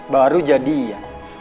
baru jadi ya